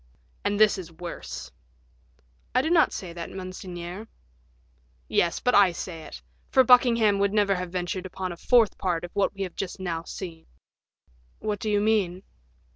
"And this is worse." "I do not say that, monseigneur." "Yes, but I say it; for Buckingham would never have ventured upon a fourth part of what we have just now seen." "What do you mean?"